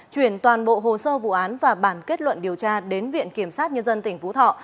chuyển toàn bộ hồ sơ vụ án và bản kết luận điều tra đến viện kiểm sát nhân dân tỉnh phú thọ